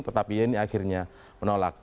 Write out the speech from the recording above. tetapi yeni akhirnya menolak